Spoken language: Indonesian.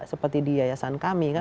seperti di yayasan kami kan